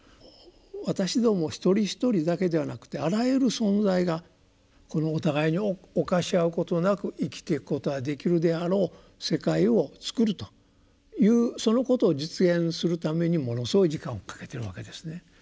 私ども一人一人だけではなくてあらゆる存在がお互いに侵し合うことなく生きていくことができるであろう世界をつくるというそのことを実現するためにものすごい時間をかけているわけですね。